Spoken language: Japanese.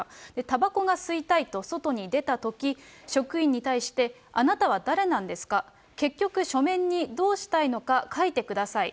たばこが吸いたいと外に出たとき、職員に対して、あなたは誰なんですか、結局、書面にどうしたいのか書いてください。